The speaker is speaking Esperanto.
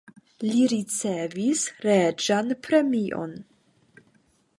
Li ricevis reĝan premion.